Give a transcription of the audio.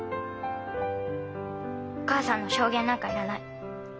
お母さんの証言なんかいらない。